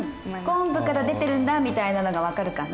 昆布から出てるんだみたいなのが分かるか。